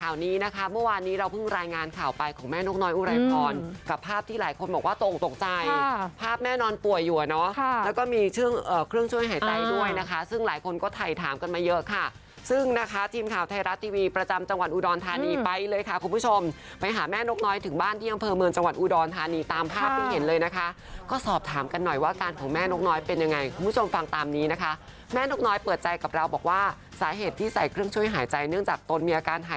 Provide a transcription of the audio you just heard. ค่ะขอบคุณค่ะสวัสดีค่ะขอบคุณค่ะขอบคุณค่ะขอบคุณค่ะขอบคุณค่ะขอบคุณค่ะขอบคุณค่ะขอบคุณค่ะขอบคุณค่ะขอบคุณค่ะขอบคุณค่ะขอบคุณค่ะขอบคุณค่ะขอบคุณค่ะขอบคุณค่ะขอบคุณค่ะขอบคุณค่ะขอบคุณค่ะขอบคุณค่ะขอบคุณค่ะขอบคุณค่ะ